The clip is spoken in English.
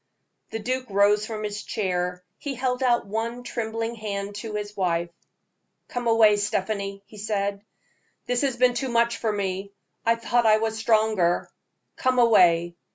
The duke rose from his chair; he held out one trembling hand to his wife. "Come away, Stephanie," he said; "this has been too much for me. I thought I was stronger. Come away!